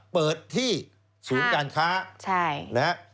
เปิดที่สูงการค้า